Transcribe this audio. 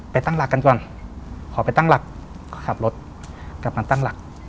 ตั้งหลักกันก่อนขอไปตั้งหลักขับรถกลับมาตั้งหลัก